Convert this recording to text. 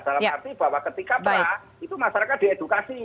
dalam arti bahwa ketika pak itu masyarakat diedukasi